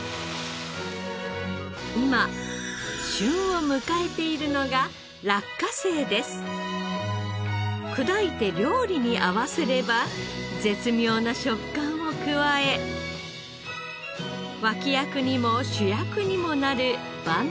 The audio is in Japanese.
今旬を迎えているのが砕いて料理に合わせれば絶妙な食感を加え脇役にも主役にもなる万能食材。